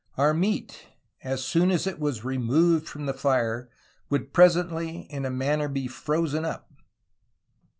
. our meate, as soone as it was remooued from the fire, would presently in a manner be frozen vp